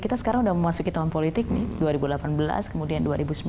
kita sekarang sudah memasuki tahun politik nih dua ribu delapan belas kemudian dua ribu sembilan belas